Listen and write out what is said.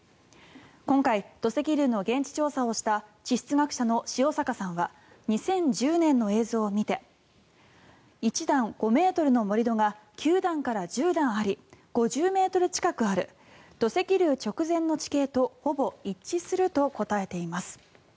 今回、土石流の現地調査をした地質学者の塩坂さんは２０１０年の映像を見て１段５ｍの盛り土が９段から１０段あり５０ｍ近くある土石流直前の地形とほぼ一致すると答えています。